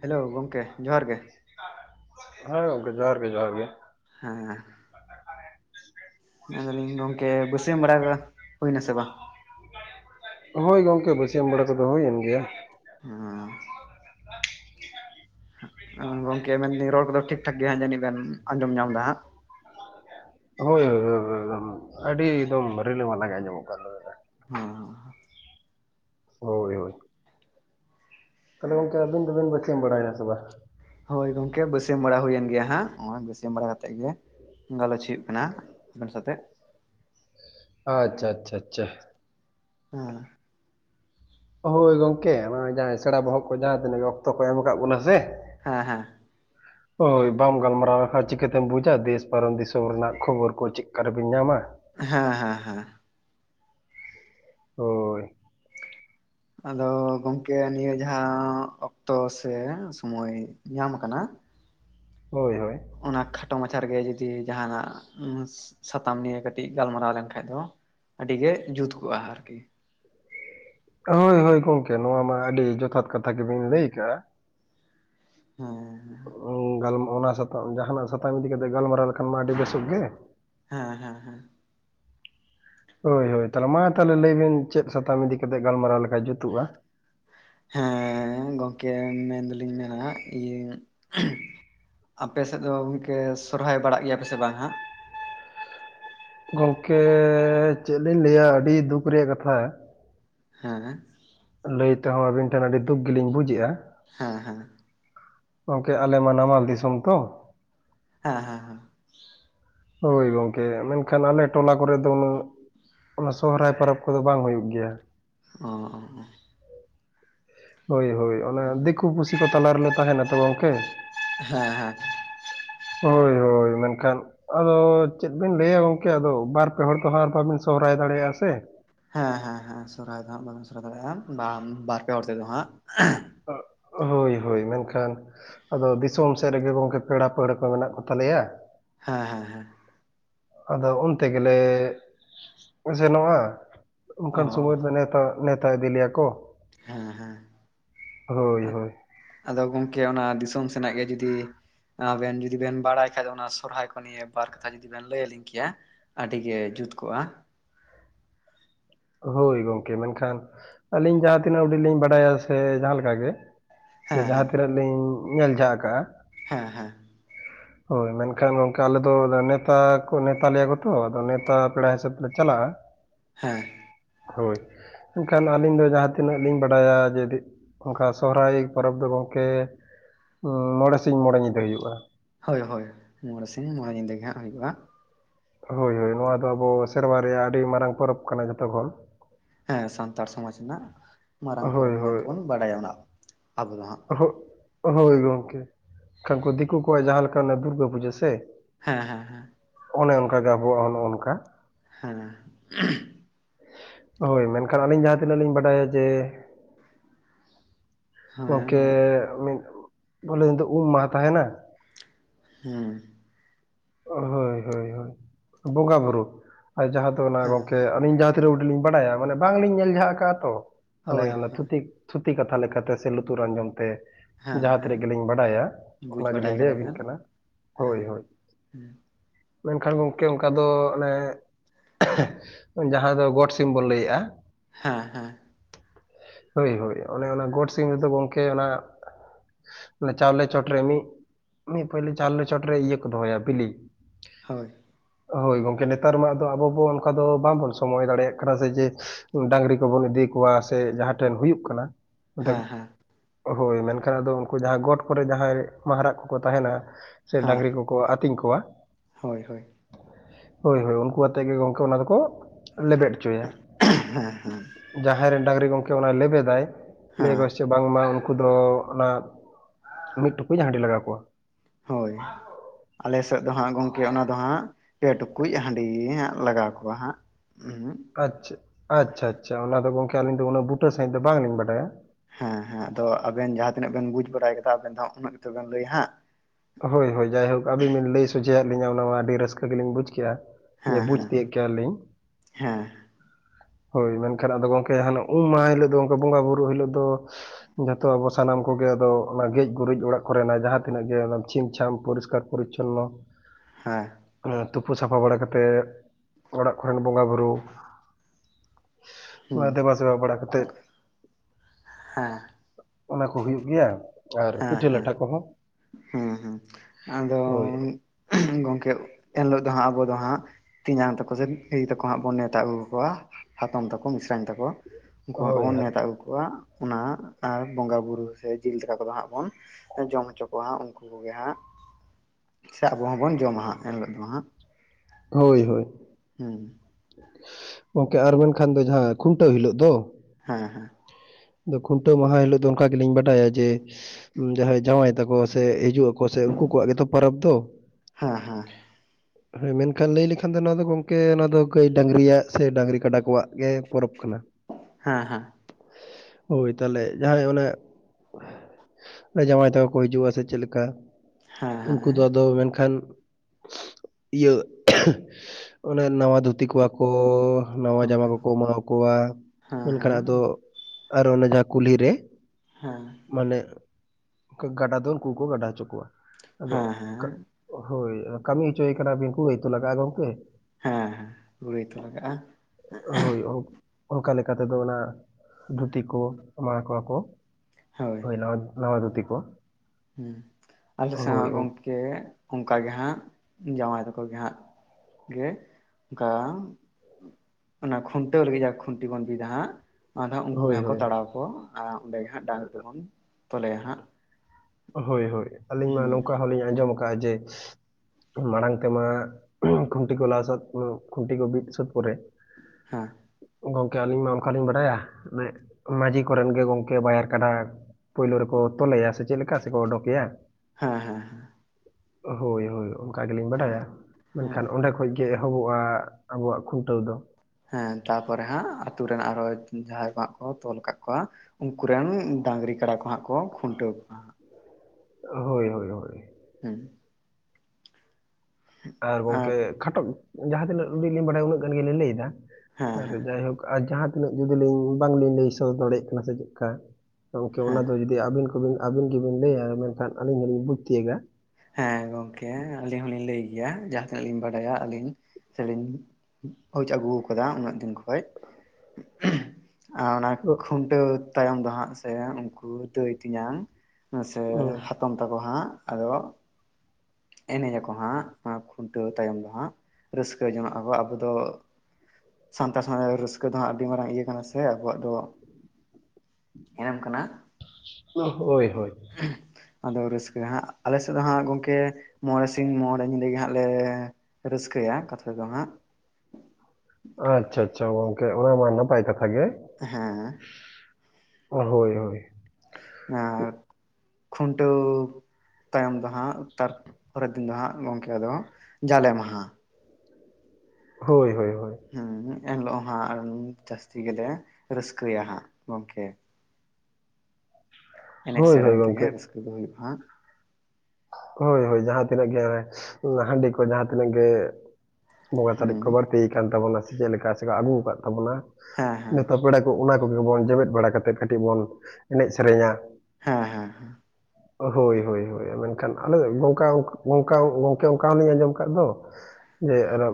Hello ᱜᱚᱝᱠᱮ ᱡᱚᱦᱟᱨ ᱜᱮ ᱦᱮᱸ ᱜᱚᱝᱠᱮ ᱡᱚᱦᱟᱨ ᱜᱮ ᱡᱚᱦᱟᱨ ᱜᱮ ᱦᱮᱸ ᱟ ᱦᱤᱝ ᱚᱚᱢᱠᱮ ᱜᱩᱥᱥᱤᱮᱢ ᱵᱟᱲᱟᱟᱜ ᱦᱩᱭᱱᱟᱥ ᱵᱟᱝ ᱦᱳᱭ ᱜᱚᱝᱠᱮ ᱵᱟᱟᱹᱥᱭᱟᱹᱢ ᱵᱟᱲᱟ ᱠᱚᱫᱚ ᱦᱩᱭᱮᱱ ᱜᱮᱭᱟ ᱦᱮᱸ ᱜᱚᱝᱠᱮ ᱢᱮᱱᱫᱟᱹᱧ ᱨᱚᱲ ᱠᱚᱫᱚ ᱴᱷᱤᱠ ᱴᱷᱟᱠ ᱜᱮ ᱦᱟᱜ ᱡᱟᱱᱤᱡ ᱵᱮᱱ ᱟᱸᱡᱚᱢ ᱧᱟᱢ ᱮᱫᱟ ᱦᱟᱸᱜ ᱦᱳᱭ [unintelligible] ᱟᱹᱰᱤ ᱮᱠᱫᱚᱢ ᱨᱤᱞᱟᱹ ᱢᱟᱞᱟ ᱟᱸᱡᱚᱢᱚᱜ ᱠᱟᱱᱟ ᱦᱮᱸ ᱦᱳᱭ ᱦᱳᱭ ᱛᱟᱦᱚᱞᱮ ᱜᱚᱝᱠᱮ ᱟᱵᱤᱱ ᱫᱚᱵᱤᱱ ᱵᱟᱹᱥᱭᱟᱹᱢ ᱵᱟᱲᱟᱭᱮᱱᱟ ᱥᱮ ᱵᱟᱝ ᱦᱳᱭ ᱜᱚᱝᱠᱮ ᱵᱟᱹᱥ ᱭᱟᱹᱢ ᱵᱟᱲᱟ ᱦᱩᱭᱮᱱ ᱜᱮᱭᱟ ᱦᱟᱸᱜ ᱱᱚᱸᱜ ᱚᱭ ᱵᱟᱹᱥᱭᱟᱹᱢ ᱵᱟᱲᱟ ᱠᱟᱛᱮᱜ ᱜᱮ ᱜᱟᱞᱚᱪ ᱦᱩᱭᱩᱜ ᱠᱟᱱᱟ ᱟᱵᱮᱱ ᱥᱟᱛᱮ ᱟᱪᱪᱷᱟ ᱟᱪᱪᱷᱟ ᱟᱪᱪᱷᱟ ᱦᱮᱸ ᱦᱳᱭ ᱜᱚᱝᱠᱮ ᱡᱟᱦᱟᱸᱭ ᱥᱮᱬᱟ ᱵᱚᱦᱚᱜ ᱠᱚ ᱡᱟᱦᱟᱸ ᱛᱤᱱᱟᱹᱜ ᱜᱮ ᱚᱠᱛᱚ ᱠᱚ ᱮᱢ ᱟᱠᱟᱫ ᱵᱚᱱᱟ ᱥᱮ ᱦᱮᱸ ᱦᱮᱸ ᱦᱳᱭ ᱵᱟᱢ ᱜᱟᱞᱢᱟᱨᱟᱣ ᱞᱮᱠᱷᱟᱱ ᱪᱤᱠᱟᱹᱛᱮᱢ ᱵᱩᱡᱟ ᱫᱮᱥ ᱯᱟᱨᱚᱱ ᱫᱤᱥᱚᱢ ᱨᱮᱱᱟᱜ ᱠᱷᱚᱵᱚᱨ ᱠᱚ ᱪᱮᱜ ᱠᱟ ᱨᱮᱵᱤᱱ ᱧᱟᱢᱟ ᱦᱮᱸ ᱦᱮᱸ ᱦᱮᱸ ᱦᱚᱭ ᱟᱫᱚ ᱜᱚᱝᱠᱮ ᱱᱤᱭᱟᱹ ᱡᱟᱦᱟᱸ ᱚᱠᱛᱚ ᱥᱮ ᱥᱚᱢᱚᱭ ᱧᱟᱢ ᱠᱟᱱᱟ ᱦᱳᱭ ᱦᱳᱭ ᱚᱱᱟ ᱠᱷᱟᱴᱚ ᱢᱟᱪᱷᱟ ᱨᱮᱜᱮ ᱡᱩᱫᱤ ᱡᱟᱦᱟᱱᱟᱜ [inaudible] ᱥᱟᱛᱟᱢ ᱱᱤᱭᱮ ᱠᱟᱹᱴᱤᱡ ᱜᱟᱞᱢᱟᱨᱟᱣ ᱞᱮᱱᱠᱷᱟᱡ ᱫᱚ ᱟᱹᱰᱤᱜᱮ ᱡᱩᱛ ᱠᱚᱜᱼᱟ ᱟᱨᱠᱤ ᱦᱳᱭ ᱦᱳᱭ ᱜᱚᱝᱠᱮ ᱱᱚᱣᱟ ᱢᱟ ᱟᱹᱰᱤ ᱡᱚᱛᱷᱟᱛ ᱠᱟᱛᱷᱟ ᱜᱮᱵᱤᱱ ᱞᱟᱹᱭ ᱠᱟᱜᱼᱟ ᱦᱮᱸ ᱦᱮᱸᱜ [unintelligible] ᱚᱱᱟ ᱥᱟᱛᱟᱢ ᱡᱟᱦᱟᱸᱱᱟᱜ ᱥᱟᱛᱟᱢ ᱤᱫᱤ ᱠᱟᱛᱮ ᱜᱟᱞᱢᱟᱨᱟᱣ ᱞᱮᱠᱷᱟᱱ ᱢᱟ ᱟᱹᱰᱤ ᱵᱮᱥᱚᱜ ᱜᱮ ᱦᱮᱸ ᱦᱮᱸ ᱦᱮᱸ ᱦᱳᱭ ᱦᱳᱭ ᱛᱟᱦᱚᱞᱮ ᱢᱟ ᱛᱟᱦᱚᱞᱮ ᱞᱟᱹᱭᱵᱤᱱ ᱪᱮᱫ ᱥᱟᱛᱟᱢ ᱤᱫᱤ ᱠᱟᱛᱮ ᱜᱟᱞᱢᱟᱨᱟᱣ ᱞᱮᱠᱷᱟᱡ ᱡᱩᱛᱩᱜᱼᱟ ᱦᱮᱸ ᱜᱚᱝᱠᱮ ᱢᱮᱱ ᱫᱚᱞᱤᱧ ᱢᱮᱱᱟ ᱦᱟᱸᱜ ᱤᱭᱟᱹ [unintelligible] ᱟᱯᱮᱥᱮᱫ ᱫᱚ ᱜᱚᱝᱠᱮ ᱥᱚᱨᱦᱟᱭ ᱵᱟᱲᱟᱜ ᱜᱮᱭᱟ ᱯᱮ ᱥᱮ ᱵᱟᱝ ᱦᱟᱸᱜ ᱜᱚᱝᱠᱮ ᱪᱮᱫ ᱞᱤᱧ ᱞᱟᱹᱭᱟ ᱟᱹᱰᱤ ᱫᱩᱠ ᱨᱮᱭᱟᱜ ᱠᱟᱛᱷᱟ ᱦᱮᱸ ᱞᱟᱹᱭ ᱛᱮᱦᱚᱸ ᱟᱵᱤᱱ ᱴᱷᱮᱱ ᱟᱹᱰᱤ ᱫᱩᱠ ᱜᱮᱞᱤᱧ ᱵᱩᱡᱮᱜᱼᱟ ᱦᱮᱸ ᱦᱮᱸ ᱜᱚᱝᱠᱮ ᱟᱞᱮᱢᱟ ᱱᱟᱢᱟᱞ ᱫᱤᱥᱚᱢ ᱛᱚ ᱦᱮᱸ ᱦᱮᱸ ᱦᱮᱸ ᱦᱳᱭ ᱜᱚᱝᱠᱮ ᱢᱮᱱᱠᱷᱟᱱ ᱟᱞᱮ ᱴᱚᱞᱟ ᱠᱚᱨᱮ ᱫᱚ ᱩᱱᱟᱹᱜ ᱚᱱᱟ ᱥᱚᱦᱚᱨᱟᱭ ᱯᱟᱨᱚᱵᱽ ᱠᱚᱫᱚ ᱵᱟᱝ ᱦᱩᱭᱩᱜ ᱜᱮᱭᱟ ᱚ ᱚ ᱚ ᱦᱳᱭ ᱦᱳᱭ ᱚᱱᱟ ᱫᱤᱠᱩ ᱯᱩᱥᱤ ᱠᱚ ᱛᱟᱞᱟ ᱨᱮᱞᱮ ᱛᱟᱦᱮᱸᱱᱟ ᱛᱚ ᱜᱚᱝᱠᱮ ᱦᱮᱸ ᱦᱮᱸ ᱦᱳᱭ ᱦᱳᱭ ᱢᱮᱱᱠᱷᱟᱱ ᱟᱫᱚ ᱪᱮᱫ ᱵᱤᱱ ᱞᱟᱹᱭᱟ ᱜᱚᱝᱠᱮ ᱟᱫᱚ ᱵᱟᱨ ᱯᱮ ᱦᱚᱲ ᱛᱮᱦᱚᱸ ᱟᱨ ᱵᱟᱵᱤᱱ ᱥᱚᱨᱦᱟᱭ ᱫᱟᱲᱮᱭᱟᱜᱼᱟ ᱥᱮ ᱦᱮᱸ ᱦᱮᱸ ᱦᱮᱸ ᱥᱚᱨᱦᱟᱭ ᱫᱚ ᱦᱟᱸᱜ ᱵᱟᱵᱚᱱ ᱥᱚᱨᱦᱟᱭ ᱫᱟᱲᱮᱭᱟᱜᱼᱟᱢ ᱵᱟᱢ ᱵᱟᱨ ᱯᱮ ᱦᱚᱲ ᱛᱮᱫᱚ ᱦᱟᱸᱜ [unintelligible] [unintelligible] ᱦᱳᱭ ᱦᱳᱭ ᱦᱳᱭ ᱢᱮᱱᱠᱷᱟᱱ ᱟᱫᱚ ᱫᱤᱥᱚᱢ ᱥᱮᱫ ᱨᱮᱜᱮ ᱜᱚᱝᱠᱮ ᱯᱮᱲᱟ ᱯᱟᱺᱲᱦᱟᱹᱠᱚ ᱢᱮᱱᱟᱜ ᱠᱚ ᱛᱟᱞᱮᱭᱟ ᱦᱮᱸ ᱦᱮᱸ ᱦᱮᱸ ᱟᱫᱚ ᱚᱱᱛᱮ ᱜᱮᱞᱮ ᱡᱮᱱᱚᱜᱼᱟ ᱚ ᱚᱱᱠᱟᱱ ᱚ ᱥᱚᱢᱚᱭ ᱨᱮᱫᱚ ᱱᱮᱣᱛᱟ ᱱᱮᱣᱛᱟ ᱤᱫᱤᱞᱮᱭᱟ ᱠᱚ ᱦᱮᱸ ᱦᱮᱸ ᱦᱳᱭ ᱦᱳᱭ [unintelligible] ᱟᱫᱚ ᱜᱚᱝᱠᱮ ᱚᱱᱟ ᱫᱤᱥᱚᱢ ᱥᱮᱱᱟᱜ ᱜᱮ ᱡᱩᱫᱤ ᱟᱵᱮᱱ ᱡᱩᱫᱤ ᱵᱮᱱ ᱵᱟᱲᱟᱭ ᱠᱷᱟᱡ ᱫᱚ ᱚᱱᱟ ᱥᱚᱨᱦᱟᱭ ᱠᱚ ᱱᱤᱭᱮ ᱵᱟᱨ ᱠᱟᱛᱷᱟ ᱡᱩᱫᱤ ᱵᱮᱱ ᱞᱟᱹᱭ ᱟᱹᱞᱤᱧ ᱠᱮᱭᱟ ᱟᱹᱰᱤᱜᱮ ᱡᱩᱛ ᱠᱚᱜᱼᱟ ᱦᱳᱭ ᱜᱚᱝᱠᱮ ᱢᱮᱱᱠᱷᱟᱱ ᱟᱹᱞᱤᱧ ᱡᱟᱦᱟᱸ ᱛᱤᱱᱟᱹᱜ ᱩᱰᱤᱡ ᱞᱤᱧ ᱵᱟᱰᱟᱭᱟ ᱥᱮ ᱡᱟᱦᱟᱸ ᱞᱮᱠᱟ ᱜᱮ ᱥᱮ ᱦᱮᱸ ᱦᱮᱸ ᱡᱟᱦᱟᱸᱛᱤᱱᱟᱹᱜ ᱞᱤᱧ ᱧᱮᱞ ᱡᱷᱟᱜ ᱟᱠᱟᱜᱼᱟ ᱾ ᱦᱮᱸ ᱦᱮᱸ ᱾ ᱦᱳᱭ ᱢᱮᱱᱠᱷᱟᱱ ᱜᱚᱝᱠᱮ ᱟᱞᱮ ᱫᱚ ᱱᱮᱣᱛᱟ ᱠᱚ ᱱᱮᱣᱛᱟ ᱞᱮᱭᱟ ᱠᱚᱛᱚ ᱟᱫᱚ ᱱᱮᱣᱛᱟ ᱯᱮᱲᱟ ᱦᱤᱥᱟᱹᱵᱽ [unintelligible] ᱪᱟᱞᱟᱜᱼᱟ ᱾ ᱦᱮᱸ ᱾ ᱦᱳᱭ, ᱮᱱᱠᱷᱟᱱ ᱟᱹᱞᱤᱧ ᱫᱚ ᱡᱟᱦᱟᱸ ᱛᱤᱱᱟᱹᱜ ᱞᱤᱧ ᱵᱟᱰᱟᱭᱟ ᱡᱩᱫᱤ ᱚᱱᱠᱟ ᱥᱚᱦᱚᱨᱟᱭ ᱯᱚᱨᱚᱵᱽ ᱫᱚ ᱜᱚᱝᱠᱮ ᱢᱚᱬᱮ ᱥᱤᱧ ᱢᱚᱬᱮ ᱧᱤᱫᱟᱹ ᱦᱩᱭᱩᱜᱼᱟ ᱾ ᱦᱳᱭ ᱦᱳᱭ ᱢᱚᱬᱮ ᱥᱤᱧ ᱢᱚᱬᱮ ᱧᱤᱫᱟᱹ ᱜᱮ ᱦᱟᱸᱜ ᱦᱩᱭᱩᱜᱼᱟ ᱾ ᱦᱳᱭ ᱦᱳᱭ ᱱᱚᱣᱟ ᱫᱚ ᱟᱵᱚ ᱥᱮᱨᱣᱟ ᱨᱮᱭᱟᱜ ᱟᱹᱰᱤ ᱢᱟᱨᱟᱝ ᱯᱚᱨᱚᱵᱽ ᱠᱟᱱᱟ ᱡᱷᱚᱛᱚ ᱠᱷᱚᱱ ᱾ ᱦᱮᱸ, ᱥᱟᱱᱛᱟᱲ ᱥᱚᱢᱟᱡᱽ ᱨᱮᱱᱟᱜ ᱢᱟᱨᱟᱝ ᱦᱳᱭ ᱯᱚᱨᱚᱵᱽ ᱦᱳᱭ ᱢᱮᱱᱛᱮᱵᱚᱱ ᱵᱟᱰᱟᱭᱟ ᱱᱟᱜ ᱟᱵᱚ ᱫᱚ ᱦᱟᱸᱜ ᱾ ᱦᱳᱭ ᱦᱳᱭ ᱜᱚᱝᱠᱮ ᱠᱷᱟᱝᱠᱩ ᱫᱤᱠᱩ ᱠᱚᱣᱟ ᱡᱟᱦᱟᱸ ᱞᱮᱠᱟ ᱚᱱᱟ ᱫᱩᱨᱜᱟᱹ ᱯᱩᱡᱟᱹ ᱥᱮ ᱦᱮᱸ ᱦᱮᱸ ᱦᱮᱸ ᱾ ᱚᱱᱮ ᱚᱱᱠᱟ ᱜᱮ ᱟᱵᱚᱣᱟᱜ ᱦᱚᱸ ᱱᱚᱜᱼᱚ ᱱᱚᱝᱠᱟ ᱾ ᱦᱮᱸ [unintelligible] ᱾ ᱦᱳᱭ, ᱢᱮᱱᱠᱷᱟᱱ ᱟᱹᱞᱤᱧ ᱡᱟᱦᱟᱸ ᱛᱤᱱᱟᱹᱜ ᱞᱤᱧ ᱵᱟᱰᱟᱭᱟ ᱡᱮ ᱦᱮᱸ ᱦᱮᱸ ᱜᱚᱝᱠᱮ ᱢᱟ ᱢᱤᱫ ᱵᱚᱞᱮ ᱫᱤᱱ ᱫᱚ ᱩᱢ ᱢᱟᱦᱟ ᱛᱟᱦᱮᱱᱟ ᱾ ᱦᱩᱸ ᱾ ᱦᱳᱭ ᱦᱳᱭ ᱦᱳᱭ, ᱵᱚᱸᱜᱟ ᱵᱩᱨᱩ ᱟᱨ ᱡᱟᱦᱟᱸ ᱫᱚ ᱚᱱᱟ ᱦᱮᱸ ᱜᱚᱢᱠᱮ ᱟᱹᱞᱤᱧ ᱡᱟᱦᱟᱸ- ᱛᱤ ᱨᱟᱹᱣᱰᱤ ᱞᱤᱧ ᱵᱟᱲᱟᱭᱟ ᱢᱟᱱᱮ ᱵᱟᱝᱞᱤᱧ ᱧᱮᱞ ᱡᱷᱟ ᱟᱠᱟᱜᱼᱟ ᱛᱚ ᱢᱟᱱᱮ ᱦᱳᱭ ᱚᱱᱟ ᱛᱷᱩᱛᱤ- ᱛᱷᱩᱛᱤ ᱠᱟᱛᱷᱟ ᱞᱮᱠᱟᱛᱮ ᱥᱮ ᱞᱩᱛᱩᱨ ᱟᱸᱡᱚᱢ ᱛᱮ ᱾ ᱦᱮᱸ ᱡᱟᱦᱟᱸ ᱦᱮᱸ ᱛᱤᱱᱟᱹᱜ ᱜᱮᱞᱤᱧ ᱵᱟᱰᱟᱭᱟ ᱵᱩᱡᱽ ᱚᱱᱟ ᱵᱟᱰᱟᱭ ᱜᱮᱞᱤᱧ ᱞᱟᱹᱭᱟᱵᱤᱱ ᱠᱟᱱᱟ ᱾ ᱦᱳᱭ ᱦᱳᱭ ᱾ ᱦᱩᱸ ᱾ ᱢᱮᱱᱠᱷᱟᱱ ᱜᱚᱢᱠᱮ ᱚᱱᱠᱟ ᱫᱚ ᱚᱱᱮ ᱡᱟᱦᱟᱸ ᱫᱚ ᱜᱚᱴ ᱥᱤᱢ ᱵᱚᱱ ᱞᱟᱹᱭᱮᱜᱼᱟ ᱾ ᱦᱮᱸ ᱦᱮᱸ ᱾ ᱦᱳᱭ ᱦᱳᱭ ᱚᱱᱮ ᱚᱱᱟ ᱜᱚᱴ ᱥᱤᱢ ᱨᱮᱫᱚ ᱜᱚᱢᱠᱮ ᱚᱱᱟ ᱚᱱᱮ ᱪᱟᱣᱞᱮ ᱪᱚᱴᱨᱮ ᱢᱤᱫ ᱢᱤᱫ ᱯᱳᱭᱞᱳ ᱪᱟᱣᱞᱮ ᱪᱚᱴᱨᱮ ᱤᱭᱟᱹ ᱠᱚ ᱫᱚᱦᱚᱭᱟ ᱵᱤᱞᱤ ᱾ ᱦᱳᱭ ᱾ ᱦᱳᱭ ᱜᱚᱝᱠᱮ ᱱᱮᱛᱟᱨ ᱢᱟ ᱟᱫᱚ ᱟᱵᱚ ᱵᱚ ᱚᱱᱠᱟ ᱫᱚ ᱵᱟᱝᱵᱚᱱ ᱥᱚᱢᱚᱭ ᱫᱟᱲᱮᱭᱟᱜ ᱠᱟᱱᱟ ᱥᱮ ᱡᱮ ᱰᱟᱹᱝᱨᱤ ᱠᱚᱵᱚᱱ ᱤᱫᱤ ᱠᱚᱣᱟ, ᱥᱮ ᱡᱟᱦᱟᱸ ᱴᱷᱮᱱ ᱦᱩᱭᱩᱜ ᱠᱟᱱᱟ ᱾ ᱦᱮᱸ ᱚᱫᱷᱮᱠ ᱦᱮᱸ ᱦᱳᱭ, ᱢᱮᱱᱠᱷᱟᱱ ᱟᱫᱚ ᱩᱱᱠᱩ ᱡᱟᱦᱟᱸ ᱜᱚᱴ ᱠᱚᱨᱮᱜ ᱡᱟᱦᱟᱸᱭ ᱢᱟᱦᱟᱨᱟ ᱠᱚᱠᱚ ᱛᱟᱦᱮᱸᱱᱟ, ᱥᱮ ᱦᱮᱸ ᱰᱟᱹᱝᱨᱤ ᱠᱚᱠᱚ ᱟᱹᱛᱤᱧ ᱠᱚᱣᱟ ᱾ ᱦᱳᱭ ᱦᱳᱭ ᱾ ᱦᱳᱭ ᱦᱳᱭ ᱩᱱᱠᱩ ᱟᱛᱮᱜ ᱜᱮ ᱜᱚᱢᱠᱮ ᱚᱱᱟ ᱫᱚᱠᱚ ᱞᱮᱵᱮᱫ ᱦᱚᱪᱚᱭᱟ ᱾ ᱡᱟᱦᱟᱸᱭ ᱨᱮᱱ ᱰᱟᱝᱨᱤ ᱜᱚᱢᱠᱮ ᱚᱱᱟᱭ ᱞᱮᱵᱮᱫᱟᱭ ᱞᱟᱹᱭᱟ ᱠᱚ ᱦᱮᱸ ᱥᱮᱪᱮ ᱵᱟᱝᱢᱟ ᱩᱱᱠᱩ ᱫᱚ ᱚᱱᱟ ᱢᱤᱫ ᱴᱩᱠᱩᱡ ᱦᱟᱹᱰᱤ ᱞᱟᱜᱟᱣ ᱠᱚᱣᱟ ᱾ ᱦᱳᱭ, ᱟᱞᱮ ᱥᱮᱫ ᱫᱚ ᱦᱟᱸᱜ ᱜᱚᱢᱠᱮ ᱚᱱᱟ ᱫᱚ ᱦᱟᱸᱜ ᱯᱮ ᱴᱩᱠᱩᱡ ᱦᱟᱺᱰᱤ ᱦᱟᱸᱜ ᱞᱟᱜᱟᱣ ᱠᱚᱣᱟ ᱦᱟᱸᱜ ᱦᱩᱸ ᱾ ᱟᱪᱪᱷᱟ ᱟᱪᱪᱷᱟ ᱟᱪᱪᱷᱟ ᱚᱱᱟᱫᱚ ᱜᱚᱝᱠᱮ ᱟᱹᱞᱤᱧ ᱫᱚ ᱩᱱᱟᱹ ᱵᱩᱴᱟᱹ ᱥᱟᱹᱦᱤᱡ ᱫᱚ ᱵᱟᱝᱞᱤᱧ ᱵᱟᱰᱟᱭᱟ ᱾ ᱦᱮᱸ ᱦᱮᱸ ᱟᱫᱚ ᱟᱵᱮᱱ ᱡᱟᱦᱟᱸ ᱛᱤᱱᱟᱹᱜ ᱵᱮᱱ ᱵᱩᱡ ᱵᱟᱲᱟᱭ ᱟᱠᱟᱫᱟ ᱟᱵᱮᱱ ᱫᱚ ᱩᱱᱟᱹᱜ ᱜᱮᱛᱵᱮᱱ ᱞᱟᱹᱭᱟ ᱦᱟᱸᱜ ᱾ ᱦᱳᱭ ᱦᱳᱭ ᱡᱟᱭᱦᱳᱠ ᱟᱵᱤᱱ ᱵᱤᱱ ᱞᱟᱹᱭ ᱥᱚᱡᱷᱮᱭᱟᱫ ᱞᱤᱧᱟᱹ ᱚᱱᱟ ᱢᱟ ᱟᱹᱰᱤ ᱨᱟᱹᱥᱠᱟᱹ ᱜᱮᱞᱤᱧ ᱵᱩᱡᱽ ᱠᱮᱜ-ᱟ ᱾ ᱡᱮ ᱦᱟᱸᱜ ᱵᱩᱡᱽ ᱦᱮᱸ ᱛᱤᱭᱳᱜ ᱠᱮᱭᱟᱞᱤᱧ ᱾ ᱦᱮᱸ ᱦᱮᱸ ᱦᱳᱭ, ᱢᱮᱱᱠᱷᱟᱱ ᱟᱫᱚ ᱜᱚᱢᱠᱮ ᱦᱟᱱᱟ ᱩᱢ ᱢᱟᱦᱟ ᱦᱤᱞᱳᱜ ᱫᱚ ᱜᱚᱢᱠᱮ ᱵᱚᱸᱜᱟ ᱵᱩᱨᱩ ᱦᱤᱞᱳᱜ ᱫᱚ ᱡᱷᱚᱛᱚ ᱟᱵᱚ ᱥᱟᱱᱟᱢ ᱠᱚᱜᱮ ᱟᱫᱚ ᱚᱱᱟ ᱜᱮᱡ ᱜᱩᱨᱤᱡ ᱚᱲᱟᱜ ᱠᱚᱨᱮᱱᱟᱜ ᱡᱟᱦᱟᱸᱛᱤᱱᱟᱹᱜ ᱜᱮ ᱚᱱᱟ ᱪᱷᱤᱢ ᱪᱷᱟᱢ ᱯᱚᱨᱤᱥᱠᱟᱨ ᱯᱚᱨᱤᱪᱪᱷᱚᱱᱱᱚ, ᱦᱮᱸ ᱾ ᱚᱱᱮ ᱛᱩᱯᱩ ᱥᱟᱯᱷᱟ ᱵᱟᱲᱟ ᱠᱟᱛᱮᱜ ᱚᱲᱟᱜ ᱠᱚᱨᱮᱱ ᱵᱚᱸᱜᱟ ᱵᱩᱨᱩ ᱦᱩᱸ ᱚᱱᱟ ᱫᱮᱵᱟ ᱥᱮᱵ ᱥᱮᱵᱟ ᱵᱟᱲᱟ ᱠᱟᱛᱮᱜ ᱦᱮᱸ ᱚᱱᱟ ᱠᱚ ᱦᱩᱭᱩᱜ ᱜᱮᱭᱟ ᱾ ᱟᱨ ᱯᱤᱴᱷᱟᱹ ᱞᱟᱴᱷᱟ ᱠᱚᱦᱚᱸ ᱾ ᱦᱮᱸ ᱦᱮᱸ ᱟᱫᱚ ᱦᱳᱭ ᱜᱚᱢᱠᱮ ᱮᱱᱦᱤᱞᱳᱜ ᱫᱚ ᱦᱟᱸᱜ ᱟᱵᱚ ᱫᱚ ᱦᱟᱸᱜ ᱛᱮᱧᱟᱝ ᱛᱟᱠᱚ ᱥᱮ ᱫᱤᱫᱤ ᱛᱟᱠᱚ ᱦᱟᱸᱜ ᱵᱚᱱ ᱱᱮᱣᱛᱟ ᱟᱹᱜᱩ ᱠᱚᱣᱟ ᱦᱟᱛᱚᱢ ᱛᱟᱠᱚ ᱢᱤᱥᱨᱟᱧ ᱛᱟᱠᱚ ᱩᱱᱠᱩ ᱦᱟᱚᱸ ᱦᱳᱭ ᱠᱚᱵᱚᱱ ᱱᱮᱣᱛᱟ ᱟᱹᱜᱩ ᱠᱚᱣᱟ ᱚᱱᱟ ᱦᱟᱸᱜ ᱟᱨ ᱵᱚᱸᱜᱟ ᱵᱩᱨᱩ ᱥᱮ ᱡᱤᱞ ᱫᱟᱠᱟ ᱠᱚᱫᱚ ᱦᱟᱸᱜ - ᱵᱚᱱ ᱡᱚᱢ ᱦᱚᱪᱚ ᱠᱚᱣᱟ ᱦᱟᱸᱜ ᱩᱱᱠᱩ ᱠᱚᱜᱮ ᱦᱟᱸᱜ ᱥᱮ ᱟᱵᱚ ᱦᱚᱸᱵᱚᱱ ᱡᱚᱢᱟ ᱦᱟᱸᱜ ᱮᱱᱦᱤᱞᱳᱜ ᱫᱚ ᱦᱟᱸᱜ ᱦᱳᱭ ᱦᱳᱭ ᱦᱩᱸ ᱜᱚᱢᱠᱮ ᱟᱨ ᱢᱮᱱᱠᱷᱟᱱ ᱫᱚ ᱡᱟᱦᱟᱸ ᱠᱷᱩᱱᱴᱟᱹᱣ ᱦᱤᱞᱳᱜ ᱫᱚ ᱦᱮᱸ ᱦᱮᱸ ᱟᱫᱚ ᱠᱷᱩᱱᱴᱟᱹᱣ ᱢᱟᱦᱟ ᱦᱤᱞᱳᱜ ᱫᱚ ᱚᱱᱠᱟ ᱜᱮᱞᱤᱧ ᱵᱟᱰᱟᱭᱟ ᱡᱮ ᱡᱟᱦᱟᱸᱭ ᱡᱟᱶᱟᱭ ᱛᱟᱠᱚ ᱥᱮ ᱦᱤᱡᱩᱜ ᱟᱠᱚ- ᱠᱚ ᱥᱮ ᱩᱱᱠᱩ ᱠᱚᱣᱟᱜ ᱜᱮᱛᱚ ᱯᱚᱨᱚᱵᱽ ᱫᱚ ᱦᱮᱸ ᱦᱮᱸ ᱦᱮᱸ ᱢᱮᱱᱠᱷᱟᱱ ᱞᱟᱹᱭ ᱞᱮᱠᱷᱟᱱ ᱫᱚ ᱱᱚᱣᱟ ᱫᱚ ᱜᱚᱝᱠᱮ ᱱᱚᱣᱟ ᱫᱚ ᱜᱟᱹᱭ ᱰᱟᱝᱨᱤᱭᱟᱜ ᱥᱮ ᱰᱟᱝᱨᱤ ᱠᱟᱰᱟ ᱠᱚᱣᱟᱜ ᱜᱮ ᱯᱚᱨᱚᱵᱽ ᱠᱟᱱᱟ ᱦᱮᱸ ᱦᱮᱸ ᱦᱳᱭ ᱛᱟᱦᱞᱮ ᱡᱟᱦᱟᱸᱭ ᱚᱱᱮ ᱡᱟᱶᱟᱭ ᱛᱟᱠᱚ ᱠᱚ ᱦᱤᱡᱩᱜᱼᱟ ᱥᱮ ᱪᱮᱫ ᱞᱮᱠᱟ ᱦᱮᱸ ᱦᱮᱸ ᱩᱱᱠᱩ ᱦᱮᱸ ᱫᱚ ᱟᱫᱚ ᱢᱮᱱᱠᱷᱟᱱ ᱤᱭᱟᱹ ᱚᱱᱮ ᱱᱟᱣᱟ ᱫᱷᱩᱛᱤ ᱠᱚᱣᱟ ᱠᱚ᱾ ᱱᱟᱣᱟ ᱡᱟᱢᱟ ᱦᱳᱭ ᱠᱚᱠᱚ ᱮᱢᱟᱣᱟ ᱠᱚᱣᱟ ᱦᱮᱸ ᱢᱮᱱᱠᱷᱟᱱ ᱦᱮᱸ ᱟᱫᱚ ᱟᱨ ᱚᱱᱮ ᱡᱟᱦᱟᱸ ᱠᱩᱞᱦᱤ ᱨᱮ ᱦᱮᱸ᱾ ᱢᱟᱱᱮ ᱜᱟᱰᱟ ᱫᱚ ᱩᱱᱠᱩᱠᱚ ᱜᱟᱰᱟ ᱦᱚᱪᱚ ᱠᱚᱣᱟ ᱟᱫᱚ ᱦᱮᱸ ᱦᱮᱸ ᱦᱳᱭ ᱠᱟᱹᱢᱤ ᱦᱚᱪᱚᱭᱮ ᱠᱟᱱᱟ ᱵᱤᱱ ᱠᱩᱲᱟᱹᱭ ᱛᱚ ᱞᱟᱜᱟᱜᱼᱟ ᱜᱚᱢᱠᱮ᱾ ᱦᱮᱸ ᱦᱮᱸ ᱜᱩᱲᱟᱹᱭ ᱛᱚ ᱞᱟᱜᱟᱜᱼᱟ᱾ ᱦᱳᱭ ᱚᱱᱠᱟ ᱞᱮᱠᱟ ᱛᱮᱫᱚ ᱚᱱᱟ ᱫᱷᱩᱛᱤ ᱠᱚ ᱮᱢᱟ ᱠᱚᱣᱟ ᱠᱚ᱾ ᱦᱳᱭ ᱱᱟᱣᱟ ᱱᱟᱣᱟ ᱫᱷᱩᱛᱤ ᱠᱚ᱾ ᱦᱮᱸ ᱟᱞᱮ ᱥᱮᱫ ᱦᱚᱸ ᱦᱳᱭ ᱚᱱ- ᱜᱚᱢᱠᱮ ᱚᱱᱠᱟ ᱜᱮ ᱦᱟᱸᱜ ᱡᱟᱶᱟᱭ ᱛᱟᱠᱚ ᱜᱮ ᱦᱟᱸᱜ ᱜᱮ ᱚᱝᱠᱟ ᱚᱱᱟ ᱠᱷᱩᱱᱴᱟᱹᱣ ᱞᱟᱹᱜᱤᱫ ᱡᱟᱦᱟᱸ ᱠᱷᱩᱱᱴᱤ ᱵᱚᱱ ᱵᱤ ᱫᱟᱦᱟᱜ ᱟᱫᱚ ᱦᱟᱸᱜ ᱩᱱᱠᱩ ᱜᱮ ᱦᱳᱭ ᱦᱟᱸᱜ ᱠᱚ ᱦᱳᱭ ᱛᱟᱲᱟᱣ ᱠᱚᱣᱟ ᱟᱨ ᱚᱸᱰᱮ ᱜᱮ ᱦᱟᱸᱜ ᱰᱟᱝ ᱛᱮ ᱵᱚᱱ ᱛᱚᱞᱮᱭᱟ ᱦᱟᱸᱜ ᱦᱳᱭ ᱦᱳᱭ ᱟᱹᱞᱤᱧ ᱢᱟ ᱦᱩᱸ ᱱᱚᱝᱠᱟ ᱦᱚᱸᱞᱤᱧ ᱟᱸᱡᱚᱢ ᱟᱠᱟᱟᱜᱼᱟ ᱡᱮ ᱢᱟᱲᱟᱝ ᱛᱮᱢᱟ ᱠᱷᱩᱱᱴᱤ ᱠᱚ ᱞᱟᱦᱟ ᱥᱟᱹᱛ ᱠᱷᱩᱱᱴᱤ ᱠᱚ ᱵᱤᱫ ᱥᱟᱹᱛ ᱯᱚᱨᱮ ᱦᱮᱸ᱾ ᱜᱚᱢᱠᱮ ᱟᱹᱞᱤᱧ ᱢᱟ ᱚᱱᱠᱟ ᱞᱤᱧ ᱵᱟᱰᱟᱭᱟ᱾ ᱢᱟᱺᱡᱷᱤ ᱠᱚᱨᱮᱱ ᱜᱮ ᱜᱚᱢᱠᱮ ᱵᱟᱭᱟᱨ ᱠᱟᱰᱟ ᱯᱳᱭᱞᱳ ᱨᱮᱠᱚ ᱛᱚᱞᱮᱭᱟ ᱥᱮ ᱪᱮᱫ ᱞᱮᱠᱟ ᱥᱮᱠᱚ ᱚᱰᱚᱠᱮᱭᱟ ᱦᱮᱸ ᱦᱮᱸ ᱦᱮᱸ᱾ ᱦᱳᱭ ᱦᱳᱭ ᱚᱱᱠᱟ ᱜᱮᱞᱤᱧ ᱵᱟᱰᱟᱭᱟ᱾ ᱦᱮᱸ ᱢᱮᱱᱠᱷᱟᱱ ᱚᱸᱰᱮ ᱠᱷᱚᱡ ᱜᱮ ᱮᱦᱚᱵᱚᱜᱼᱟ ᱟᱵᱚᱣᱟᱜ ᱠᱷᱩᱱᱴᱟᱹᱣ ᱫᱚ᱾ ᱦᱮᱸ ᱛᱟᱨᱯᱚᱨᱮ ᱦᱟᱸᱜ ᱟᱛᱩ ᱨᱮᱱ ᱟᱨᱦᱚ ᱡᱟᱦᱟᱸᱭ ᱠᱚ ᱦᱟᱸᱜ ᱠᱚ ᱛᱚᱞ ᱠᱟᱜ ᱠᱚᱣᱟ ᱩᱱᱠᱩ ᱨᱮᱱ ᱰᱟᱝᱨᱤ ᱠᱟᱰᱟ ᱠᱚ ᱦᱟᱸᱜ ᱠᱚ ᱠᱷᱩᱱᱴᱟᱹᱣ ᱠᱚᱣᱟ᱾ ᱦᱟᱸᱜ ᱦᱳᱭ ᱦᱳᱭ ᱦᱳᱭ᱾ ᱦᱮᱸ᱾ ᱟᱨ ᱜᱚᱝᱠᱮ ᱠᱷᱟᱴᱚᱜ ᱡᱟᱦᱟᱸ ᱛᱤᱱᱟᱹᱜ ᱦᱩᱰᱤᱡ ᱞᱤᱧ ᱵᱟᱲᱟᱭᱟ ᱩᱱᱟᱹᱜ ᱜᱟᱱ ᱜᱮᱞᱤᱧ ᱞᱟᱹᱭ ᱮᱫᱟ᱾ ᱦᱮᱸ ᱟᱨ ᱦᱮᱸ ᱡᱟᱭᱦᱳᱠ ᱟᱨ ᱡᱟᱦᱟᱸ ᱛᱤᱱᱟᱹᱜ ᱡᱩᱫᱤ ᱞᱤᱧ ᱵᱟᱝᱞᱤᱧ ᱞᱟᱹᱭ ᱥᱚᱫᱚᱨ ᱫᱟᱲᱮᱭᱟᱜ ᱠᱟᱱᱟ ᱥᱮ ᱪᱮᱫᱠᱟ ᱜᱚᱢᱠᱮ ᱚᱱᱟ ᱦᱮᱸ ᱫᱚ ᱡᱩᱫᱤ ᱟᱹᱵᱤᱱ ᱠᱚᱵ ᱟᱹᱵᱤᱱ ᱜᱮᱵᱤᱱ ᱞᱟᱹᱭᱟ ᱢᱮᱱᱠᱷᱟᱱ ᱟᱹᱞᱤᱧ ᱦᱚᱸᱞᱤᱧ ᱵᱩᱡᱽ ᱛᱤᱭᱟᱹᱜᱟ᱾ ᱦᱮᱸ ᱜᱚᱝᱠᱮ ᱟᱹᱞᱤᱧ ᱦᱚᱞᱤᱧ ᱞᱟᱹᱭ ᱜᱮᱭᱟ᱾ ᱡᱟᱦᱟᱸ ᱛᱤᱱᱟᱹᱜ ᱞᱤᱧ ᱵᱟᱰᱟᱭᱟ ᱟᱹᱞᱤᱧ ᱥᱮᱞᱤᱧ ᱵᱩᱡ ᱟᱹᱜᱩ ᱟᱠᱟᱫᱟ ᱩᱱᱟᱹᱜ ᱫᱤᱱ ᱠᱷᱚᱡ ᱟᱨ ᱚᱱᱟ [unintelligible] ᱠᱷᱩᱱᱴᱟᱹᱣ ᱛᱟᱭᱚᱢ ᱫᱚ ᱦᱟᱸᱜ ᱥᱮ ᱩᱱᱠᱩ ᱫᱟᱹᱭ ᱛᱮᱧᱟᱝ ᱥᱮ ᱦᱩᱸ, ᱦᱟᱛᱚᱢ ᱛᱟᱠᱚ ᱦᱟᱸᱜ ᱟᱫᱚ ᱮᱱᱮᱡ ᱟᱠᱚ ᱦᱟᱸᱜ ᱠᱷᱩᱱᱴᱟᱹᱣ ᱛᱟᱭᱚᱢ ᱫᱚ᱾ ᱦᱟᱸᱜ ᱨᱟᱹᱥᱠᱟᱹ ᱡᱚᱝᱚᱜ ᱟᱠᱚ ᱟᱵᱚ ᱫᱚ ᱥᱟᱱᱛᱟᱲ ᱥᱚᱢᱟᱡᱽ ᱨᱮ ᱨᱟᱹᱥᱠᱟᱹ ᱫᱚ ᱦᱟᱸᱜ ᱟᱹᱰᱤ ᱢᱟᱨᱟᱝ ᱤᱭᱟᱹ ᱠᱟᱱᱟ ᱥᱮ ᱟᱵᱚᱣᱟᱜ ᱫᱚ ᱮᱱᱮᱢ ᱠᱟᱱᱟ᱾ ᱢᱟ ᱳᱭ ᱦᱳᱭ ᱟᱫᱚ ᱨᱟᱹᱥᱠᱟᱹ ᱦᱟᱸᱜ ᱟᱞᱮ ᱥᱮᱫ ᱫᱚ ᱦᱟᱸᱜ ᱜᱚᱝᱠᱮ ᱢᱚᱬᱮ ᱥᱤᱧ ᱢᱚᱬᱮ ᱧᱤᱫᱟᱹ ᱜᱮ ᱦᱟᱸᱜ ᱞᱮ ᱨᱟᱹᱥᱠᱟᱹᱭᱟ ᱠᱟᱛᱷᱟ ᱫᱚ ᱦᱟᱸᱜᱼᱼ ᱟᱪᱪᱷᱟ ᱟᱪᱪᱷᱟ ᱜᱚᱝᱠᱮ ᱚᱱᱟ ᱢᱟ ᱱᱟᱯᱟᱭ ᱠᱟᱛᱷᱟ ᱜᱮ᱾ ᱦᱮᱸᱻ ᱚ ᱦᱳᱭ ᱦᱳᱭ᱾ ᱟᱨ ᱠᱷᱩᱱᱴᱟᱹᱣᱼᱼ ᱛᱟᱭᱚᱢ ᱫᱚ ᱦᱟᱸᱜ ᱛᱟᱨᱯᱚᱨᱮ ᱫᱤᱱ ᱫᱚ ᱦᱟᱸᱜ ᱜᱚᱢᱠᱮ ᱟᱫᱚ ᱡᱟᱞᱮ ᱢᱟᱦᱟ᱾ ᱦᱳᱭ ᱦᱳᱭ ᱦᱳᱭ᱾ ᱦᱮᱸ ᱮᱱᱦᱤᱞᱚᱜ ᱦᱚᱸ ᱦᱟᱸᱜ ᱡᱟᱹᱥᱛᱤ ᱜᱮᱞᱮ ᱨᱟᱹᱥᱠᱟᱹᱭᱟ ᱦᱟᱸᱜ ᱜᱚᱢᱠᱮ᱾ ᱮᱱᱮᱡ ᱦᱳᱭ ᱦᱳᱭ ᱥᱮᱨᱮᱧ ᱜᱚᱝᱠᱮ ᱛᱮᱜᱮ ᱨᱟᱹᱥᱠᱟᱹ ᱫᱚ ᱦᱩᱭᱩᱜᱼᱟ ᱦᱟᱸᱜ᱾ ᱦᱳᱭ ᱦᱳᱭ ᱡᱟᱦᱟᱸ ᱛᱤᱱᱟᱹᱜ ᱜᱮ ᱦᱟᱺᱰᱤ ᱠᱚ ᱡᱟᱦᱟᱸ ᱛᱤᱱᱟᱹᱜ ᱜᱮᱼᱼ ᱵᱚᱸᱜᱟ ᱥᱟᱨᱮᱡ ᱠᱚ ᱦᱮᱸ ᱵᱟᱹᱲᱛᱤᱭ ᱠᱟᱱ ᱛᱟᱵᱚᱱᱟ ᱥᱮ ᱪᱮᱫ ᱞᱮᱠᱟ ᱥᱮ ᱠᱚ ᱟᱹᱜᱩ ᱟᱠᱟᱫ ᱛᱟᱵᱚ ᱱᱟ ᱦᱮᱸ ᱦᱮᱸ ᱱᱮᱣᱛᱟ ᱯᱮᱲᱟᱼᱼ ᱚᱱᱟ ᱠᱚᱜᱮ ᱵᱚᱱ ᱡᱮᱢᱮᱫ ᱵᱟᱲᱟ ᱠᱟᱛᱮᱫ ᱠᱟᱹᱴᱤᱡ ᱵᱚᱱ ᱮᱱᱮᱡ ᱥᱮᱨᱮᱧᱟ᱾ ᱦᱮᱸ ᱦᱮᱸ ᱦᱮᱸ᱾ ᱦᱳᱭ ᱦᱳᱭ ᱢᱮᱱᱠᱷᱟᱱ ᱟᱞᱮᱚᱝ ᱜᱚᱝᱠᱮ ᱚᱱᱠᱟ ᱦᱚᱸᱞᱤᱧ ᱟᱸᱡᱚᱢ ᱟᱠᱟᱫ ᱫᱚ?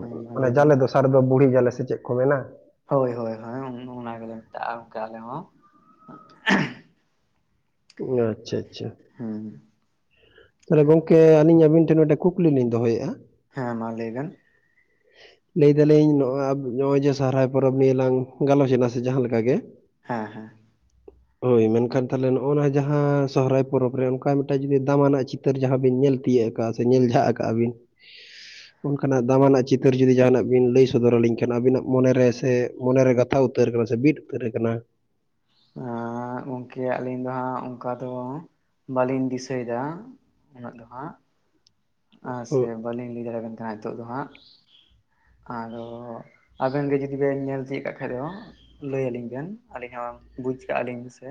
ᱦᱮᱸ ᱢᱟ ᱞᱟᱹᱭ ᱵᱮᱱ ᱡᱟᱞᱮ ᱫᱚᱥᱟᱨ ᱫᱚ ᱵᱩᱲᱦᱤ ᱡᱟᱞᱮ ᱥᱮ ᱪᱮᱫ ᱠᱚ ᱢᱮᱱᱟ? ᱦᱳᱭ ᱦᱳᱭ ᱦᱳᱭ ᱚᱱᱟ ᱜᱮᱞᱮ ᱢᱮᱛᱟᱜᱼᱟ ᱟᱞᱮ ᱦᱚᱸ᱾ ᱟᱪᱪᱷᱟ ᱟᱪᱪᱷᱟ᱾ ᱦᱮᱸ ᱦᱮᱸ ᱛᱟᱦᱚᱞᱮ ᱜᱚᱢᱠᱮ ᱟᱹᱞᱤᱧ ᱟᱹᱵᱤᱱ ᱴᱷᱮᱱ ᱢᱤᱫᱴᱮᱱ ᱠᱩᱠᱞᱤ ᱞᱤᱧ ᱫᱚᱦᱚᱭᱮᱫᱼᱟ? ᱦᱮᱸ ᱢᱟ ᱞᱟᱹᱭᱵᱮᱱ? ᱞᱟᱹᱭ ᱫᱟᱞᱤᱧ ᱱᱚᱜᱚᱭ ᱱᱚᱜᱼᱚᱭ ᱡᱮ ᱥᱚᱨᱚᱦᱦᱟᱭ ᱯᱚᱨᱚᱵᱽ ᱱᱤᱭᱮ ᱞᱟᱝ ᱜᱟᱞᱚᱪ ᱮᱱᱟ ᱥᱮ ᱡᱟᱦᱟᱸᱠ ᱜᱮ? ᱦᱮᱸ ᱦᱮᱸ᱾ ᱦᱳᱭ ᱢᱮᱱᱠᱷᱟᱱ ᱛᱟᱦᱚᱞᱮ ᱱᱚᱜᱼᱚᱭ ᱱᱚᱣᱟ ᱡᱟᱦᱟᱸ ᱥᱚᱦᱚᱨᱟᱭ ᱯᱚᱨᱚᱵᱽ ᱨᱮ ᱚᱱᱠᱟ ᱢᱤᱫᱴᱟᱝ ᱡᱩᱫᱤ ᱫᱟᱢᱟᱱᱟᱜ ᱪᱼᱼ ᱪᱤᱛᱟᱹᱨ ᱡᱟᱦᱟᱸ ᱵᱤᱱ ᱧᱮᱞ ᱛᱤᱭᱳᱟᱹᱜ ᱠᱟᱜᱼᱟ ᱥᱮ ᱧᱮᱞ ᱡᱷ ᱠᱟᱜᱼᱟ ᱵᱤᱱ ᱚᱱᱠᱟᱱᱟᱜ ᱫᱟᱢᱟ ᱱᱟᱜ ᱪᱼᱼ ᱩᱤᱛᱟᱹᱨ ᱡᱩᱫᱤ ᱡᱟᱦᱟᱱᱟᱜ ᱵᱤᱱ ᱞᱟᱹᱭ ᱥᱚᱫᱚᱨ ᱟᱹᱞᱤᱧ ᱠᱷᱟᱱ ᱟᱵᱤᱱᱟᱜ ᱢᱚᱱᱮᱨᱮ ᱥᱮ ᱢᱚᱱᱮᱨᱮ ᱜᱟᱛᱷᱟ ᱩᱛᱟᱹᱨ ᱟᱠᱟᱱᱟ ᱥᱮ ᱵᱤᱫ ᱩᱛᱟᱹᱨ ᱟᱠᱟᱱᱟ᱾ ᱮ ᱜᱚᱢᱠᱮ ᱟᱹᱞᱤᱧ ᱫᱚ ᱦᱟᱸᱜ ᱚᱱᱠᱟ ᱫᱚ ᱵᱟᱹᱞᱤᱧ ᱫᱤᱥᱟᱹᱭᱮᱫᱟ᱾ ᱩᱱᱟᱹᱜ ᱫᱚ ᱦᱟᱸᱜ ᱟᱨ ᱥᱮ ᱵᱟᱹᱞᱤᱧ ᱞᱟᱹᱭ ᱫᱟᱲᱮᱭᱟᱜ ᱠᱟᱱ ᱛᱟᱦᱮᱱᱟ ᱱᱤᱛᱚᱜ ᱫᱚ ᱦᱟᱸᱜ᱾ ᱟᱫᱚ ᱟᱵᱮᱱ ᱜᱮ ᱡᱩᱫᱤ ᱵᱮᱱ ᱧᱮᱞ ᱛᱤᱭᱜ ᱠᱟᱜ ᱠᱷᱟᱡ ᱫᱚ᱾ ᱞᱟᱹᱭ ᱟᱹᱞᱤᱧ ᱵᱮᱱ ᱟᱹᱞᱤᱧ ᱦᱚᱸ ᱵᱩᱡᱽ ᱠᱟᱜᱼᱟᱞᱤᱧ ᱥᱮ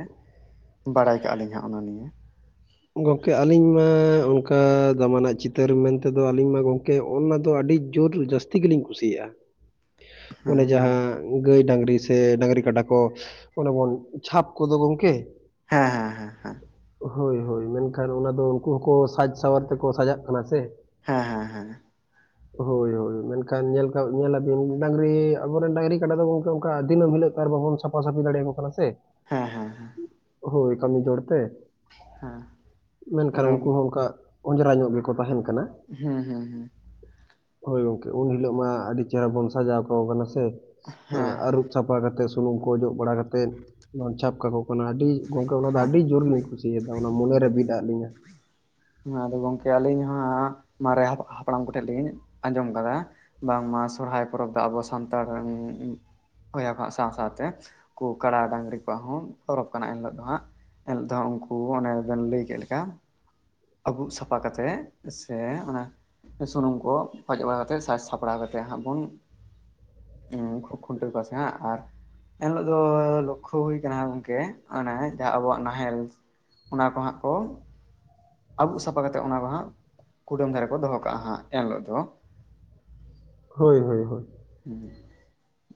ᱵᱟᱲᱟᱭ ᱠᱟᱜᱼᱟᱞᱤᱧ ᱦᱟᱸᱜ ᱚᱱᱟ ᱱᱤᱭᱮ? ᱜᱚᱢᱠᱮ ᱟᱹᱞᱤᱧ ᱢᱟ ᱚᱱᱠᱟ ᱫᱟᱢᱟ ᱱᱟᱜ ᱪᱤᱛᱟᱹᱨ ᱢᱮᱱᱛᱮᱫᱚ ᱟᱹᱞᱤᱧ ᱢᱟ ᱜᱚᱢᱠᱮ ᱚᱱᱟ ᱫᱚ ᱟᱹᱰᱤᱼᱼ ᱡᱳᱨ ᱡᱟᱹᱥᱛᱤ ᱜᱮᱞᱤᱧ ᱠᱩᱥᱤᱭᱟᱜᱼᱟ᱾ ᱦᱮᱸ ᱚᱱᱮ ᱢᱟᱞᱮ ᱡᱟᱦᱟᱸᱼᱼ ᱜᱟᱹᱭ ᱰᱝᱨᱤ ᱥᱮ ᱰᱝᱨᱤ ᱠᱟᱰᱟ ᱠᱚ ᱚᱱᱮ ᱵᱚᱱ ᱪᱷᱟᱯ ᱠᱚᱫᱚ ᱜᱚᱝᱠᱮ ᱦᱮᱸ ᱦᱮᱸ ᱦᱮᱸ ᱦᱮᱸ᱾ ᱦᱳᱭ ᱦᱳᱭ ᱢᱮᱱᱠᱷᱟᱱ ᱚᱱᱟ ᱫᱚ ᱩᱱᱠᱩ ᱦᱚᱸᱠᱚ ᱥᱟᱡᱽ ᱥᱟᱶᱟᱨ ᱛᱮᱠᱚ ᱥᱟᱡᱟᱜ ᱠᱟᱱᱟ ᱥᱮ ᱦᱮᱸ ᱦᱮᱸ ᱦᱮᱸ ᱦᱳᱭ ᱦᱳᱭ ᱢᱮᱱᱠᱷᱟᱱ ᱧᱮᱞ ᱧᱮᱞᱟᱵᱤᱱ ᱰᱟᱝᱨᱤ ᱟᱵᱚᱨᱮᱱ ᱰᱟᱝᱝᱨᱤ ᱠᱟᱰᱟ ᱫᱚ ᱜᱚᱝᱠᱮ ᱚᱱᱠᱟ ᱫᱤᱹᱢ ᱦᱤᱞᱳᱜ ᱟᱨ ᱵᱟᱵᱚᱱᱼᱼ ᱥᱟᱯᱷᱟ ᱥᱟᱹᱯᱷᱤ ᱫᱟᱲᱮ ᱭᱟᱠᱚ ᱠᱟᱱᱟ ᱥᱮ᱾ ᱦᱮᱸ ᱦᱮᱸ ᱦᱮᱸ ᱦᱭ ᱠᱟᱹᱢᱤ ᱡᱚᱲᱛᱮ ᱦᱮᱸ ᱢᱮᱱᱠᱷᱟᱱ ᱟᱫᱚ ᱩᱱᱠᱩ ᱦᱚᱸ ᱚᱱᱠᱟ ᱚᱸᱡᱽᱨᱟ ᱧᱚᱜ ᱜᱮᱠᱚ ᱛᱟᱦᱮᱱ ᱠᱟᱱᱟ᱾ ᱦᱩᱸ ᱦᱩᱸ ᱦᱩᱸ ᱦᱳᱭ ᱜᱚᱝᱠᱮ ᱩᱱ ᱦᱤᱞᱳᱜ ᱢᱟ ᱟᱹᱰᱤ ᱪᱮᱦᱨᱟ ᱵᱚᱱ ᱥᱟᱡᱟᱣ ᱠᱟ ᱠᱟᱱᱟ ᱥᱮ ᱦᱮᱸ ᱟᱨᱩᱯᱼᱼ ᱥᱟᱯᱷᱟ ᱠᱟᱛᱮᱮᱫ ᱥᱩᱱᱩᱢ ᱠᱚ ᱚᱡᱚᱜ ᱵᱟᱲᱟ ᱠᱟᱛᱮᱮᱫ ᱚᱱᱟ ᱪᱷᱟᱯ ᱠᱟᱠᱚ ᱠᱟᱱᱟ ᱟᱹᱰᱤ ᱜᱚᱝᱠᱮ ᱚᱱᱟ ᱫᱚ ᱦᱮᱸ ᱟᱹᱰᱤ ᱡᱳᱨ ᱤᱧ ᱠᱩᱥᱤᱟᱜᱼᱟ᱾ ᱪᱷᱟ ᱚᱱᱟ ᱢᱚᱱᱮ ᱨᱮ ᱵᱤᱫ ᱟᱫ ᱞᱤᱧᱟᱹ ᱟᱫᱚ ᱜᱚᱝᱠᱮ ᱟᱹᱞᱤᱧ ᱦᱚᱸ ᱢᱟᱨᱮ ᱦᱟᱯᱲᱟᱢ ᱠᱚᱴᱷᱮᱱ ᱞᱤᱧ ᱟᱸᱡᱚᱢ ᱟᱠᱟᱫᱟ᱾ ᱵᱟᱝᱢᱟ ᱥᱚᱨᱚᱦᱦᱟᱭ ᱯᱚᱨᱚᱵᱽ ᱫᱚ ᱟᱵᱚ ᱥᱟᱱᱛᱟᱲ ᱥᱟᱶ ᱥᱟᱶᱛᱮ ᱩᱱᱠᱩ ᱠᱟᱲᱟ ᱰᱟᱝᱨᱤ ᱠᱚᱣᱟᱜ ᱦᱚᱸ ᱯᱚᱨᱚᱵᱽ ᱠᱟᱱᱟ ᱮᱱ ᱦᱤᱞᱳᱜ ᱫᱚ ᱦᱟᱸᱜ ᱮᱱᱦᱤᱞᱳ ᱫᱚ ᱩᱱᱠᱩ ᱚᱱᱮ ᱵᱮᱱ ᱞᱟᱹᱭ ᱠᱮᱫ ᱞᱮᱠᱟ ᱟᱹᱵᱩᱩᱜ ᱥᱟᱯᱷᱟ ᱠᱟᱛᱮᱜ ᱥᱮ ᱚᱱᱟ ᱥᱩᱱᱩᱢ ᱠᱚ ᱚᱡᱚᱜᱲ ᱵᱟᱲᱟ ᱠᱟᱛᱮᱜ ᱥᱟᱡᱽ ᱥᱟᱯᱲᱟᱣ ᱠᱟᱛᱮᱜ ᱦᱸᱵᱚᱱ ᱠᱦᱩ ᱠᱷᱩᱱᱴᱟᱹᱣ ᱠᱚᱣᱟᱥᱮ ᱦᱟᱸ ᱟᱨ ᱮᱱᱦᱤᱞᱳᱜ ᱫᱚ ᱞᱚᱠᱠᱷᱚ ᱦᱩᱭ ᱟᱠᱟᱱᱟ ᱜᱚᱝᱠᱮ ᱚᱱᱮ ᱡᱟᱦᱟᱸ ᱟᱵᱚᱣᱟᱜ ᱱᱟᱦᱮᱞ ᱚᱱᱟ ᱠᱚ ᱦᱟᱸᱜ ᱠᱚ ᱟᱹᱵᱩᱜ ᱥᱟᱯᱷᱟ ᱠᱟᱛᱮᱜ ᱚᱱᱟ ᱠᱚ ᱦᱟᱸᱜ ᱠᱩᱴᱟᱹᱢ ᱫᱷᱟᱨᱮ ᱠᱚ ᱫᱚᱦᱚ ᱠᱟᱜᱼᱟ ᱦᱟᱸᱜ ᱮᱱᱦᱤᱞᱳᱜ ᱫᱚ ᱦᱳᱭ ᱦᱳᱭ ᱦᱳᱭ ᱦᱩᱸ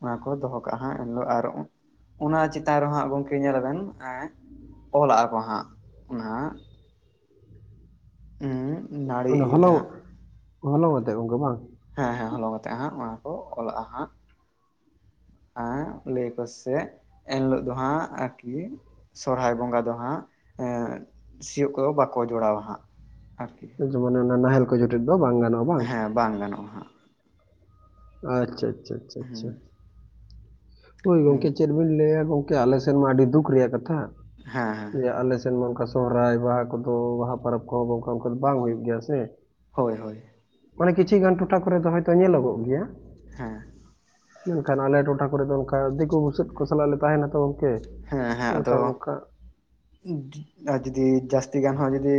ᱚᱱᱟ ᱠᱚ ᱫᱚᱦᱚ ᱠᱟᱜᱼᱟ ᱦᱜ ᱮᱱᱦᱤᱞᱳᱜ ᱟᱨ ᱚᱱᱟ ᱪᱮᱛᱟᱱ ᱨᱮᱦᱟᱸᱜ ᱜᱚᱢᱠᱮ ᱧᱮᱞ ᱟᱵᱮᱱ ᱮ ᱚᱞᱟᱜ ᱟᱠᱚ ᱦᱟᱸᱜ ᱚᱱᱟᱦᱟᱸᱜ ᱦᱩᱻ ᱚᱱᱟ ᱦᱚᱞᱚᱝ ᱦᱚᱞᱚᱝᱛᱮ ᱜᱚᱢᱠᱮ ᱵᱟᱝ ᱦᱮᱸ ᱦᱮᱸ ᱦᱚᱞᱚᱝ ᱟᱛᱮᱜ ᱦᱟᱸᱜ ᱚᱱᱟ ᱠᱚ ᱚᱞᱟᱜᱼᱟ ᱦᱟᱸᱜ ᱮᱸ ᱞᱟᱹᱭ ᱟᱠᱚ ᱥᱮ ᱮᱱ ᱦᱤᱞᱳᱜ ᱫᱚ ᱦᱟᱸᱜ ᱟᱨᱠᱤ ᱥᱚᱨᱦᱟᱭ ᱵᱚᱸᱜᱟ ᱫᱚ ᱦᱟᱸᱜ ᱮ ᱥᱤᱭᱳᱜ ᱠᱚᱫᱚ ᱵᱟᱠᱚ ᱡᱚᱲᱟᱣᱟ ᱦᱟᱸᱜ ᱟᱨᱠᱤ ᱡᱮᱢᱚᱱ ᱚᱱᱟ ᱱᱟᱦᱮᱞ ᱠᱚ ᱡᱚᱴᱮᱫ ᱫᱚ ᱵᱟᱝ ᱜᱟᱱᱚᱜᱼᱟ ᱦᱮᱸ ᱵᱟᱝ ᱜᱟᱱᱚᱜᱼᱟ ᱦᱟᱸᱜ ᱟᱪᱪᱷᱟ ᱟᱪᱪᱷᱟ ᱟᱪᱪᱷᱟ ᱦᱩᱸ ᱟᱪᱪᱷᱟ ᱦᱳᱭ ᱦᱮᱸ ᱜᱚᱝᱠᱮ ᱪᱮᱫ ᱵᱤᱱ ᱞᱟᱹᱭᱟ ᱜᱚᱝᱠᱮ ᱟᱞᱮ ᱥᱮᱱ ᱢᱟ ᱟᱹᱰᱤ ᱫᱩᱠ ᱨᱮᱭᱟᱜ ᱠᱟᱛᱷᱟ ᱦᱮᱸ ᱦᱮᱸ ᱡᱮ ᱟᱞᱮ ᱥᱮᱱ ᱢᱟ ᱚᱱᱠᱟ ᱥᱚᱨᱦᱟᱭ ᱵᱟᱦᱟ ᱠᱚᱫᱚ ᱵᱟᱦᱟ ᱯᱚᱨᱚᱵᱽ ᱠᱚᱦᱚᱸ ᱚᱱᱠᱟ ᱚᱱᱠᱟ ᱫᱚ ᱵᱟᱝ ᱦᱩᱭᱩᱜ ᱜᱮᱭᱟ ᱥᱮ ᱦᱳᱭ ᱦᱳᱭ ᱢᱟᱱᱮ ᱠᱤᱪᱷᱤ ᱜᱟᱱ ᱴᱚᱴᱷᱟ ᱠᱚᱨᱮ ᱫᱚ ᱦᱚᱭᱛᱳ ᱧᱮᱞᱚᱜᱚᱜ ᱜᱮᱭᱟ ᱦᱮᱸ ᱢᱮᱱ ᱠᱷᱟᱱ ᱟᱞᱮ ᱴᱚᱴᱷᱟ ᱠᱚᱨᱮ ᱫᱚ ᱚᱱᱠᱟ ᱫᱤᱠᱩ ᱵᱩᱥᱟ. ᱫ ᱠᱚ ᱥᱟᱞᱟᱜ ᱞᱮ ᱛᱟᱦᱮᱱᱟ ᱛᱚ ᱜᱚᱝᱠᱮ ᱦᱮᱸ ᱦᱮᱸ ᱟᱫᱚ ᱢᱮᱱᱠᱷᱟᱱ ᱚᱱᱠᱟ ᱡᱩᱫᱤ ᱡᱟᱹᱥᱛᱤ ᱜᱟᱱ ᱦᱚᱸ ᱡᱩᱫᱤ